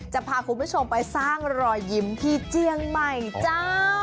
จะพาคุณผู้ชมไปสร้างรอยยิ้มที่เจียงใหม่เจ้า